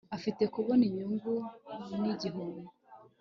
Afite kubona Inyungu nigihombo